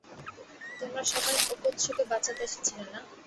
তোমরা সবাই ওকোৎসুকে বাঁচাতে এসেছিলে, না?